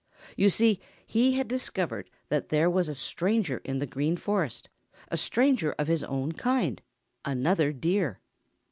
You see, he had discovered that there was a stranger in the Green Forest, a stranger of his own kind, another Deer.